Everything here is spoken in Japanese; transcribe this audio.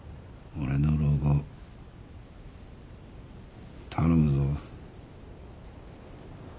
俺の老後頼むぞ。